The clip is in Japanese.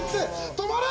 止まれ！